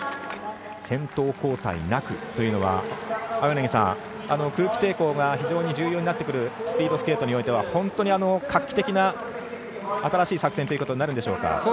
先頭交代なくというのは空気抵抗が非常に重要になってくるスピードスケートにおいては本当に画期的な新しい作戦ということになるんでしょうか。